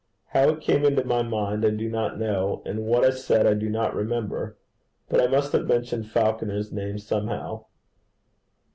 How it came into my mind, I do not know, and what I said I do not remember, but I must have mentioned Falconer's name somehow.